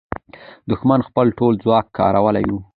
دښمن خپل ټول ځواک کارولی وو.